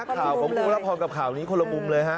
ข่าวของพวกรับผ่อนกับข่าวนี้คนละมุมเลย